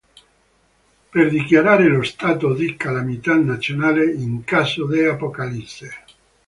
Per dichiarare lo stato di calamità nazionale, in caso di apocalisse.